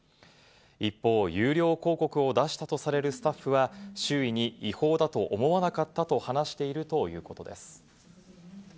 一方、有料広告を出したとされるスタッフは周囲に違法だと思わなかったと話しているということです。